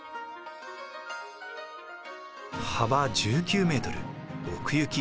幅１９ｍ奥行き１２ｍ。